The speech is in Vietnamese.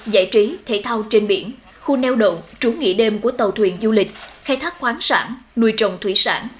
giải trí thể thao trên biển khu neo đậu trú nghỉ đêm của tàu thuyền du lịch khai thác khoáng sản nuôi trồng thủy sản